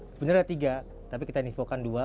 sebenarnya ada tiga tapi kita infokan dua